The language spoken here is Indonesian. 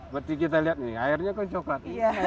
berarti kita lihat ini airnya kok coklat ini air tanah